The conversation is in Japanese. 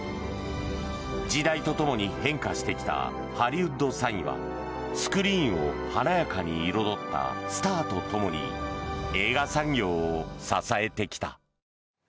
時代とともに変化してきたハリウッド・サインはスクリーンを華やかに彩ったスターとともに映画産業を支えてきた。